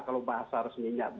kalau bahasa resminya